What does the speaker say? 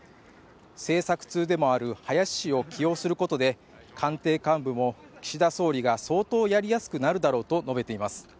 政策通でもある林氏を起用することで官邸幹部も岸田総理が相当やりやすくなるだろうと述べています。